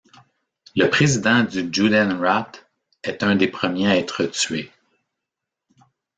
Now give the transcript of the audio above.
Le président du Judenräte est un des premiers à être tué.